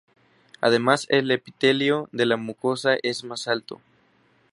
Además el epitelio de la mucosa es más alto.